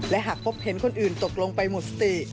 และหากพบเห็นคนอื่นตกลงไปหมดสติ